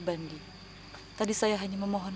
dan bisa mengalahkannya ageng gerang